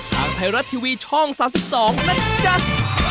ทางไทรัตทีวีช่อง๓๒นักจัด